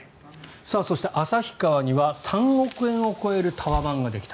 そして旭川には３億円を超えるタワマンができた。